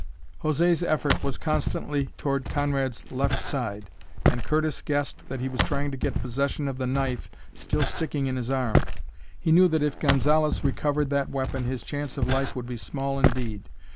José's effort was constantly toward Conrad's left side, and Curtis guessed that he was trying to get possession of the knife still sticking in his arm. He knew that if Gonzalez recovered that weapon his chance of life would be small indeed.